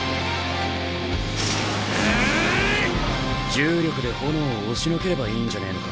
重力で炎を押しのければいいんじゃねえのか？